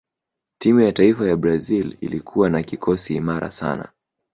timu ya taifa ya brazil ilikuwa na kikosi imara sana